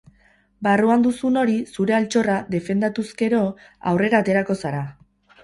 Barruan duzun hori, zure altxorra, defendatu ezkero, aurrera aterako zara.